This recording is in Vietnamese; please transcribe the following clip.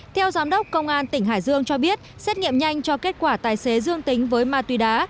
theo giám đốc công an tỉnh hải dương cho biết xét nghiệm nhanh cho kết quả tài xế dương tính với ma túy đá